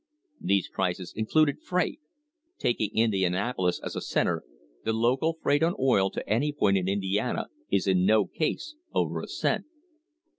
(These prices included freight. Taking Indianapolis as a centre, the local freight on oil to any point in Indiana is in no case over a cent.)